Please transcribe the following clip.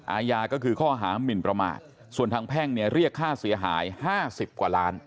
อาญาก็คือข้อหามินประมาทส่วนทางแพ่งเนี่ยเรียกค่าเสียหาย๕๐กว่าล้าน